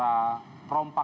ataupun pada para penyekap